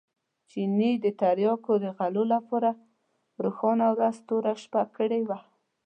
چیني د تریاکو د غلو لپاره روښانه ورځ توره شپه کړې وه.